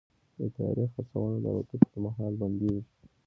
د طیارې څرخونه د الوتنې پر مهال بندېږي.